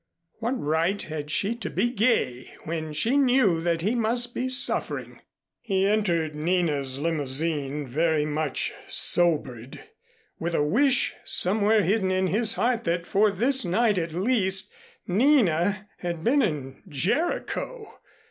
What right had she to be gay when she knew that he must be suffering? He entered Nina's limousine, very much sobered, with a wish somewhere hidden in his heart that for this night at least Nina had been in Jericho.